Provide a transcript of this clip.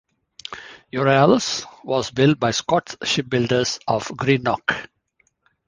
"Euryalus" was built by Scotts Shipbuilders of Greenock.